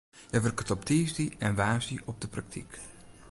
Hja wurket op tiisdei en woansdei op de praktyk.